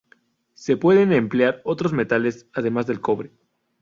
Se pueden emplear otros metales, además del cobre.